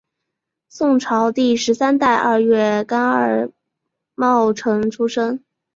宋朝第十三代二月廿二戊辰出生。